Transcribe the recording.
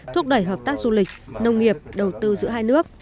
thúc đẩy hợp tác du lịch nông nghiệp đầu tư giữa hai nước